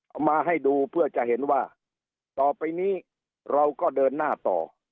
เอามาให้ดูเพื่อจะเห็นว่าต่อไปนี้เราก็เดินหน้าต่อ